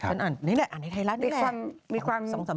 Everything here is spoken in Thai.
ฉันอ่านนี้แหละอ่านให้ไทยรัฐนี้แหละ